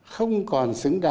không còn xứng đáng